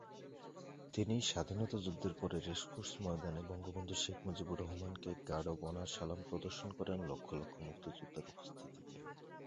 তিনি স্বাধীনতা যুদ্ধের পরে রেসকোর্স ময়দানে বঙ্গবন্ধু শেখ মুজিবুর রহমানকে "গার্ড অব অনার" সালাম প্রদর্শন করেন লক্ষ লক্ষ মুক্তিযোদ্ধার উপস্থিতিতে।